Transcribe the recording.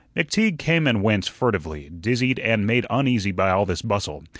McTeague came and went furtively, dizzied and made uneasy by all this bustle.